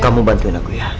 kamu bantuin aku ya